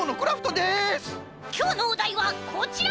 きょうのおだいはこちら！